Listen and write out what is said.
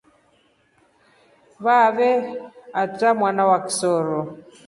Vavae aatra mwana wa kisero.